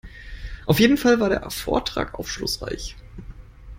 Auf jeden Fall war der Vortrag aufschlussreich.